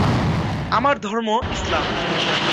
আমার ধর্ম ইসলাম।